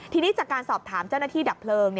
ทีนี้จากการสอบถามเจ้าหน้าที่ดับเพลิง